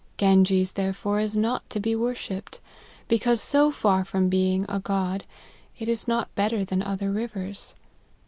Ganges therefore, is not to be worshipped ; because, so far from being a God, it is not better than other rivers.